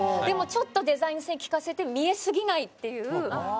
でもちょっとデザイン性効かせて見えすぎないっていう。